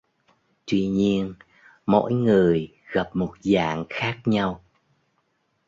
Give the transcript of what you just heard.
Tuy nhiên mỗi người gặp một dạng khác nhau